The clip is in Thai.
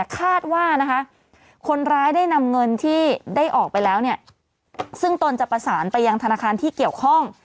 คาดว่านะคะคนร้ายได้นำเงินที่ได้ออกไปแล้วเนี่ยซึ่งตนจะประสานไปยังธนาคารที่เกี่ยวข้อง